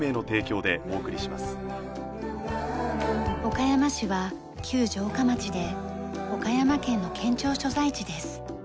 岡山市は旧城下町で岡山県の県庁所在地です。